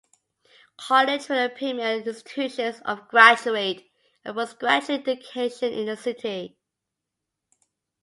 College are the premier institutions of graduate and post-graduate education in the city.